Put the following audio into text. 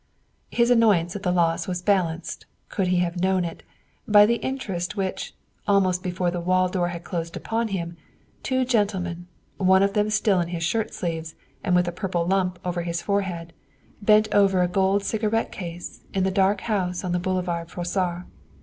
His annoyance at the loss was balanced could he have known it by the interest with which, almost before the wall door had closed upon him, two gentlemen one of them still in his shirt sleeves and with a purple lump over his forehead bent over a gold cigarette case in the dark house on the Boulevard Froissart.